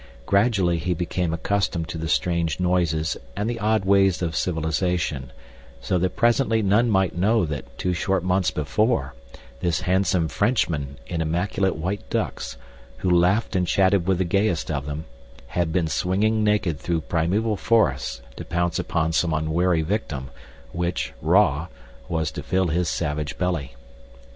Gradually he became accustomed to the strange noises and the odd ways of civilization, so that presently none might know that two short months before, this handsome Frenchman in immaculate white ducks, who laughed and chatted with the gayest of them, had been swinging naked through primeval forests to pounce upon some unwary victim, which, raw, was to fill his savage belly.